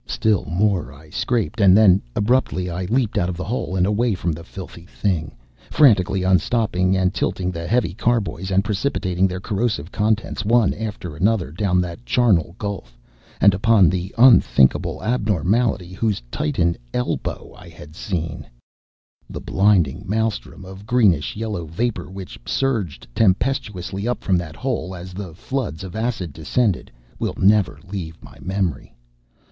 Still more I scraped, and then abruptly I leaped out of the hole and away from the filthy thing; frantically unstopping and tilting the heavy carboys, and precipitating their corrosive contents one after another down that charnel gulf and upon the unthinkable abnormality whose titan elbow I had seen. The blinding maelstrom of greenish yellow vapor which surged tempestuously up from that hole as the floods of acid descended, will never leave my memory.